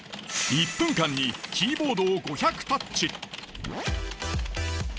１分間にキーボードを５００タッチ。